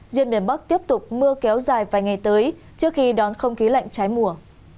riêng miền bắc tiếp tục mưa kéo dài vài ngày tới trước khi đón không khí lạnh trái mùa